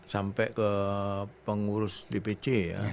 sampai ke pengurus di pc ya